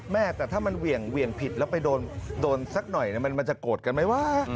แม่แต่ถ้าเขามันวิ่งผิดแล้วไปดูสักหน่อยมันจะโกรธกันไหมวะ